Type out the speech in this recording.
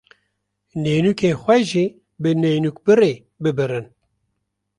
Neynûkên xwe jî bi neynûkbirê bibirin.